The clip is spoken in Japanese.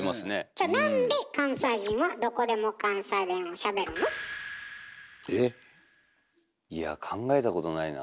じゃあなんで関西人はどこでも関西弁をしゃべるの？え？いや考えたことないな。